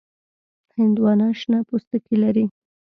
هندوانه شنه پوستکی لري.